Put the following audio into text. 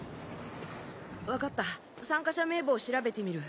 分かった参加者名簿を調べてみる。